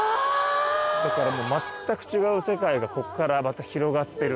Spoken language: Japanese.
だからもう全く違う世界がこっからまた広がってる。